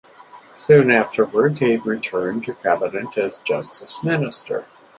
Soon afterward, he returned to cabinet as Justice Minister.